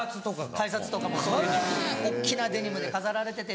改札とかもそういうふうに大っきなデニムで飾られてて。